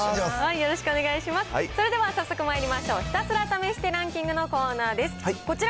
それでは早速まいりましょう、ひたすら試してランキングのコーナーです。